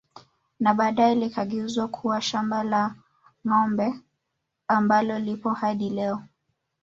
Na baadae likageuzwa kuwa shamba la Ngâombe ambalo lipo hadi leo